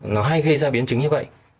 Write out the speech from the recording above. nó hay gây ra biến chứng như vậy